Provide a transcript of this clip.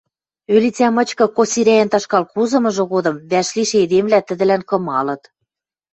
Ӧлицӓ мычкы косирӓен ташкал кузымыжы годым вӓшлишӹ эдемвлӓ тӹдӹлӓн кымалыт